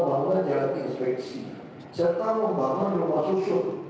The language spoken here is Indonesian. bahkan menurut kami banyak kok